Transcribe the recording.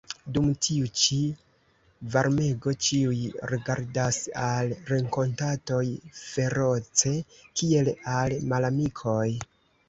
Dum tiu ĉi varmego ĉiuj rigardas al renkontatoj feroce, kiel al malamikoj.